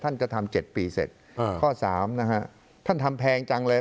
ท่านก็ทำ๗ปีเสร็จข้อสามนะฮะท่านทำแพงจังเลย